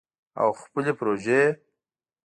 او خپلې پروژې